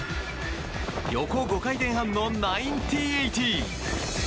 横５回転半の１９８０！